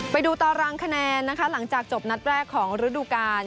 ไปดูตารางคะแนนนะคะหลังจากจบนัดแรกของฤดูกาล